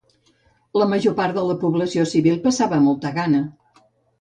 La major part de la població civil passava molta gana